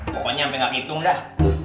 pokoknya sampai gak hitung dah